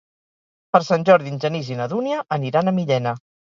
Per Sant Jordi en Genís i na Dúnia aniran a Millena.